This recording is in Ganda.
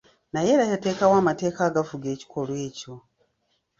Naye era yateekawo amateeka agafuga ekikolwa ekyo.